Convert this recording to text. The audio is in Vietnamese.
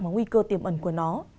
và nguy cơ tiềm ẩn của nó